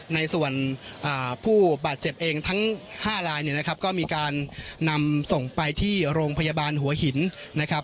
ในส่วนผู้บาดเจ็บเองทั้ง๕ลายเนี่ยนะครับก็มีการนำส่งไปที่โรงพยาบาลหัวหินนะครับ